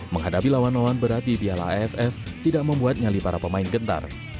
menghadapi lawan lawan berat di piala aff tidak membuat nyali para pemain gentar